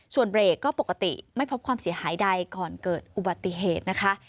ส่วนเบรกก็ปกติไม่พบความเสียหายใดก่อนเกิดอุบัติเหตุนะคะ